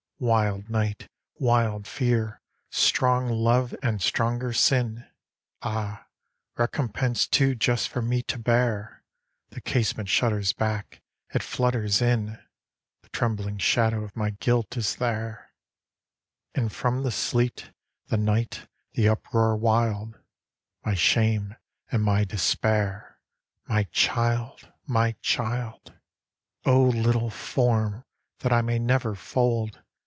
" Wild night ! wild fear ! strong love and stronger sin ! Ah, recompense too just for me to bear ! The casement shudders back : It flutters in : The trembling shadow of my guilt is there : In from the sleet, the night, the uproar wild, My shame and my despair, my child, my child !" O little form that I may never fold